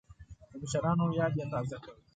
د مشرانو یاد یې تازه کړ.